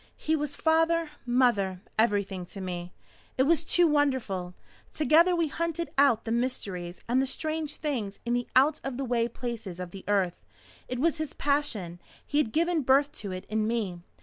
"He was father, mother everything to me. It was too wonderful. Together we hunted out the mysteries and the strange things in the out of the way places of the earth. It was his passion. He had given birth to it in me.